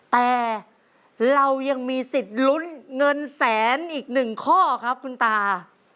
แต่เรายังมีสิทธิ์ลุ้นเงินแสนอีกหนึ่งข้อครับคุณตา